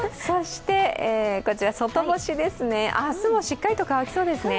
こちら、外干しですね、明日もしっかりと乾きそうですね。